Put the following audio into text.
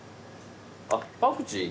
あっパクチー